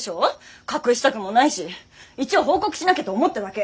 隠したくもないし一応報告しなきゃと思っただけ。